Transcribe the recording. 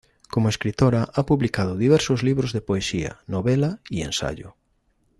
Como escritora ha publicado diversos libros de poesía, novela y ensayo.